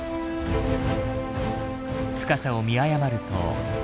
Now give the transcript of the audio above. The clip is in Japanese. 深さを見誤ると。